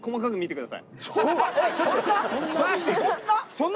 そんな？